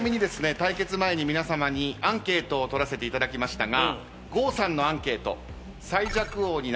対決前に皆さまにアンケートをとらせていただきましたが郷さんのアンケート。